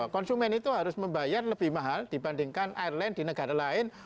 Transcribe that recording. konsumen itu harus membayar lebih mahal dibandingkan airline di negara lain